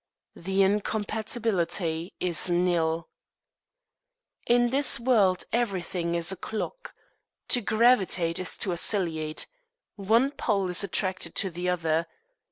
The incompatibility is nil. In this world everything is a clock. To gravitate is to oscillate. One pole is attracted to the other.